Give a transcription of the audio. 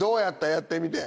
やってみて。